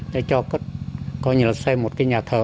để cho xây một nhà thờ